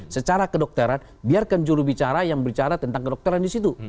secara kedokteran biarkan jurubicara yang bicara tentang kedokteran di situ